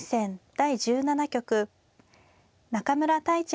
第１７局中村太地